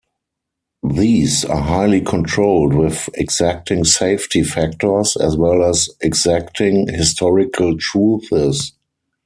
These are highly controlled with exacting safety factors, as well as, exacting historical truths.